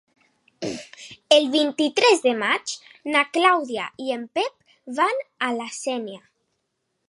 El vint-i-tres de maig na Clàudia i en Pep van a la Sénia.